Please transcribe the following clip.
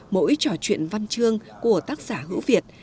mỗi trò chuyện văn chương của tác giả hữu việt